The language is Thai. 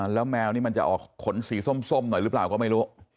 แล้วแมวนี้มันจะเอาหน่อยคนสีส้อมหน่อยรึเปล่าก็ไม่รู้